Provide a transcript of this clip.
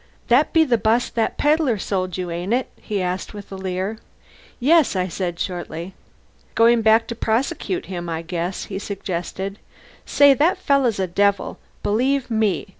"That's the bus that pedlar sold you, ain't it?" he asked with a leer. "Yes," I said, shortly. "Goin' back to prosecute him, I guess?" he suggested. "Say, that feller's a devil, believe me.